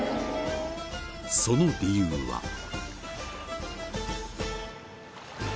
その理由は。